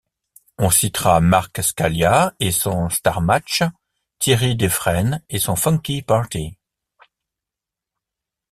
On citera Marc Scalia et son Starmatch, Thierry Defrene et son Funky Party.